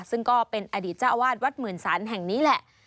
ซึ่งก็เป็นอดีตเจ้าอาวาสวัดหมื่นสันแห่งนี้แหละ